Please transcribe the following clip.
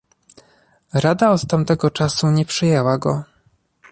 Rada od tamtego czasu nie przyjęła go